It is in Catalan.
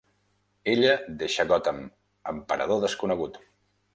Ella deixa Gotham, amb parador desconegut.